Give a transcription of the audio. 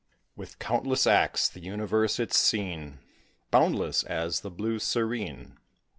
] With countless acts, the universe its scene, Boundless as the blue serene.